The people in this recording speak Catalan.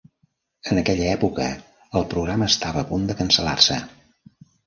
En aquella època, el programa estava a punt de cancel·lar-se.